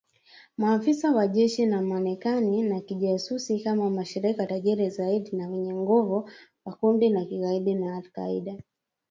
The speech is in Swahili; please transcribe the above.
Maafisa wa jeshi la Marekani na kijasusi kama mshirika tajiri zaidi na mwenye nguvu wa kundi la kigaidi la al-Qaida.